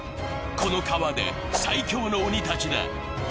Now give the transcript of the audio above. この川で最強の鬼たちだ。